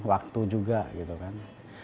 waktu juga gitu kan